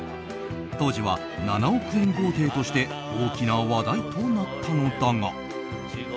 当時は７億円豪邸として大きな話題となったのだが。